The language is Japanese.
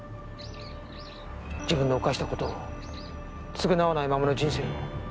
自分の犯した事を償わないままの人生を。